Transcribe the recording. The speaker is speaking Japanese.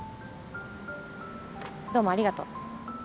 どうもありがとう。